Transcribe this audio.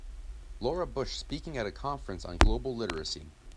Laura Bush speaking at a conference on global literacy.